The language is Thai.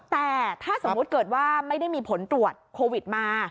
แต่ถ้าสมมุติเกิดว่าไม่ได้มีผลตรวจโควิดมา